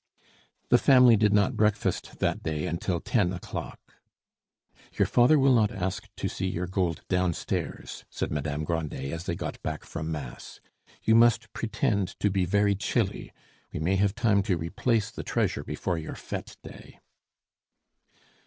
The family did not breakfast that day until ten o'clock. "Your father will not ask to see your gold downstairs," said Madame Grandet as they got back from Mass. "You must pretend to be very chilly. We may have time to replace the treasure before your fete day."